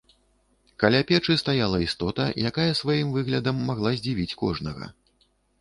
Каля печы стаяла істота, якая сваім выглядам магла здзівіць кожнага.